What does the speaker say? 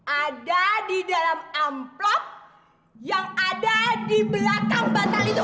ada di dalam amplop yang ada di belakang batalion